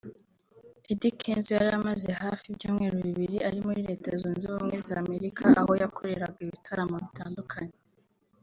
Eddy Kenzo yari amaze hafi ibyumweru bibiri ari muri Leta Zunze Ubumwe za Amerika aho yakoreraga ibitaramo bitandukanye